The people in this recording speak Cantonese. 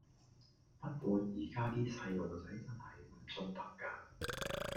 不過而家啲細路仔真係唔縱得㗎